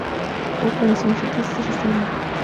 湖广乡试第四十三名。